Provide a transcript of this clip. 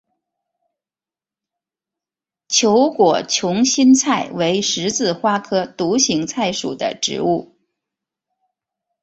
球果群心菜为十字花科独行菜属的植物。